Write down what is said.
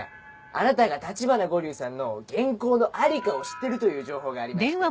あなたが橘五柳さんの原稿の在りかを知ってるという情報がありまして。